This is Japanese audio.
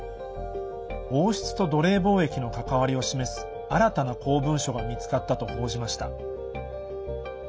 王室と奴隷貿易の関わりを示す新たな公文書が見つかったと報じました。